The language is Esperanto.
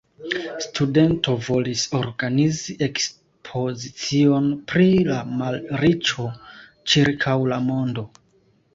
Studento volis organizi ekspozicion pri la malriĉo ĉirkaŭ la mondo.